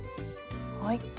はい。